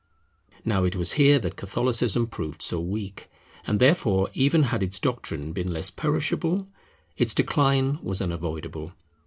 Now it was here that Catholicism proved so weak; and therefore, even had its doctrine been less perishable, its decline was unavoidable.